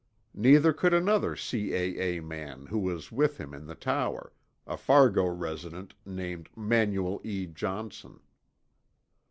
Neither could another C.A.A. man who was with him in the tower, a Fargo resident named Manuel E. Johnson.